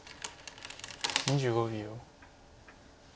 ２５秒。